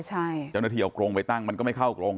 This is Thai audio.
เจ้าหน้าที่เอากรงไปตั้งมันก็ไม่เข้ากรง